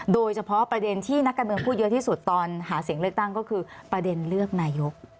โดยเฉพาะประเด็นที่นักการเมืองพูดเยอะที่สุดตอนหาเสียงเลือกตั้งก็คือประเด็นเลือกนายก